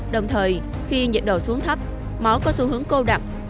đồng thời khi nhiệt độ xuống thấp máu có xu hướng cô đặc